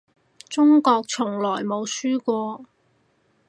中國從來冇輸過